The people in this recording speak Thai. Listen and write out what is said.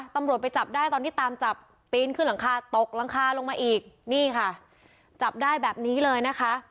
ตำรวจไปจับได้ตอนที่ตามจับปีนขึ้นหลังคาตกหลังคาลงมาอีกนี่ค่ะจับได้แบบนี้เลยนะคะ